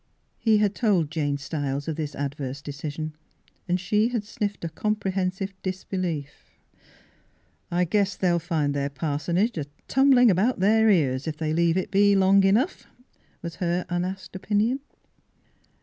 He had told Jane Stiles of this adverse decision, and she had sniffed a comprehen sive disbelief. " I guess they'll find their parsonage a tumblin' about their years, if they leave it be long enough," was her unasked opin ion.